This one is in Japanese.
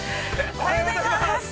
◆おはようございます。